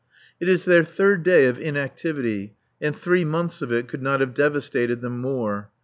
It is their third day of inactivity, and three months of it could not have devastated them more.